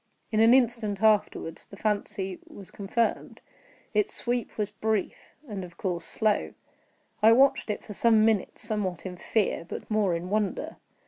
In an instant afterward the fancy was confirmed. Its sweep was brief, and of course slow. I watched it for some minutes, somewhat in fear, but more in wonder.